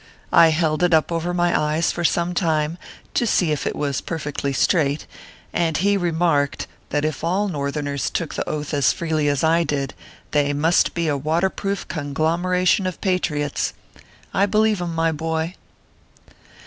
I held it up over my eyes for some time, to see if it was perfectly straight, and he remarked that if all Northerners took the Oath as freely as I did, they must be a water proof conglom eration of patriots. I believe him, my boy